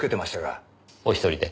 お１人で？